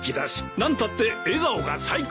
何たって笑顔が最高！